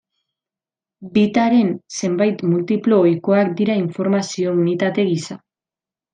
Bit-aren zenbait multiplo ohikoak dira informazio-unitate gisa.